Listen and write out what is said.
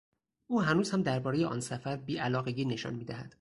او هنوز هم دربارهی آن سفر بی علاقگی نشان میدهد.